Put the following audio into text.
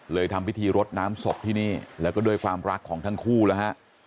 ทำพิธีรดน้ำศพที่นี่แล้วก็ด้วยความรักของทั้งคู่แล้วฮะ